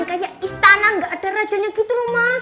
kayak istana gak ada rajanya gitu mas